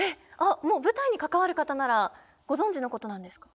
舞台に関わる方ならご存じのことなんですか？